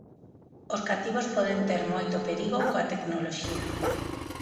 Os cativos poden ter moito perigo coa tecnoloxía.